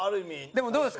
でもどうですか？